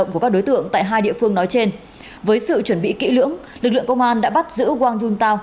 của các đối tượng tại hai địa phương nói trên với sự chuẩn bị kỹ lưỡng lực lượng công an đã bắt giữ wang yuntao